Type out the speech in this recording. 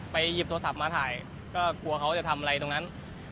หยิบโทรศัพท์มาถ่ายก็กลัวเขาจะทำอะไรตรงนั้น